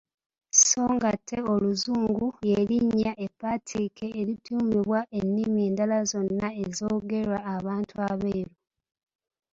Sso ng'ate Oluzungu lye linnya eppaatiike erituumibwa ennimi endala zonna ezoogerwa abantu abeeru.